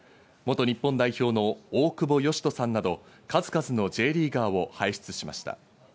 元日本代表の大久保嘉人さんなど数々のＪリーガーを輩出しました。